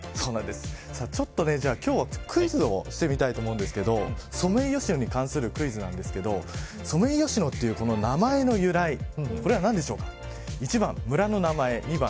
今日はクイズをしてみたいと思うんですがソメイヨシノに関するクイズなんですがソメイヨシノという名前の由来これは何でしょうか。